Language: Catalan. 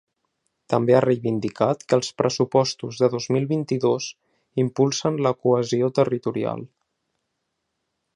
També ha reivindicat que els pressupostos de dos mil vint-i-dos impulsen la cohesió territorial.